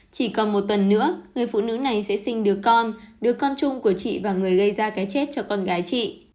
chỉ còn một tuần nữa người phụ nữ này sẽ sinh đứa con đứa con chung của chị và người gây ra cái chết cho con gái chị